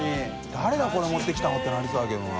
誰がこれ持ってきたの？ってなりそうだけどな。